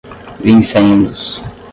vincendos